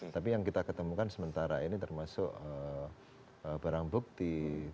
tapi yang kita ketemukan sementara ini termasuk barang bukti